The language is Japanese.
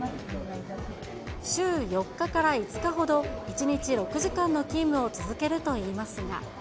週４日から５日ほど、１日６時間の勤務を続けるといいますが。